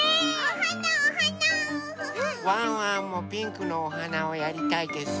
ワンワンもピンクのおはなをやりたいです。